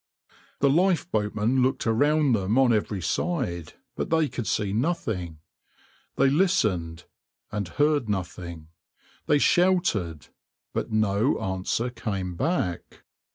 The lifeboatmen looked around them on every side, but they could see nothing; they listened, and heard nothing; they shouted, but no answer came back.